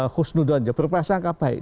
khusnudon berperasaan akan baik